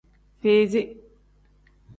Fizi.